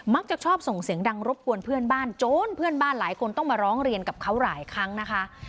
จะชอบส่งเสียงดังรบกวนเพื่อนบ้านโจรเพื่อนบ้านหลายคนต้องมาร้องเรียนกับเขาหลายครั้งนะคะ